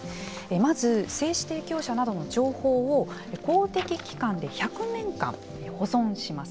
まず、精子提供者などの情報を公的機関で１００年間保存します。